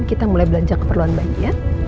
kita mulai belanja keperluan bayi ya